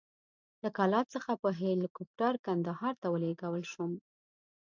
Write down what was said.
له کلات څخه په هلیکوپټر کندهار ته ولېږدول شوم.